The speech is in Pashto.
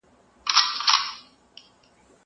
زه پرون لیکل کوم!!